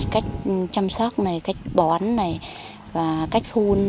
cách chăm sóc này cách bón này và cách hun